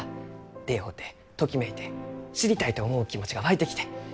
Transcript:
出会うてときめいて知りたいと思う気持ちが湧いてきて。